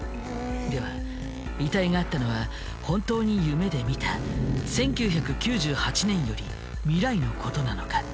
では遺体があったのは本当に夢で見た１９９８年より未来のことなのか？